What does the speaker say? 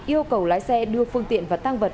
yêu cầu lái xe đưa phương tiện và tăng vật